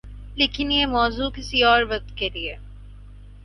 لیکن یہ موضوع کسی اور وقت کے لئے۔